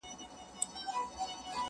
ولاړل د فتح سره برېتونه د شپېلیو-